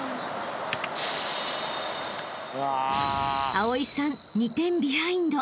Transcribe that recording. ［蒼さん２点ビハインド］